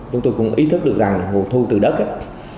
chúng tôi cũng ý thức được rằng nguồn thu từ đất